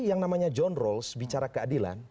yang namanya john rolls bicara keadilan